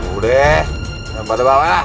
udah jangan bantuan lah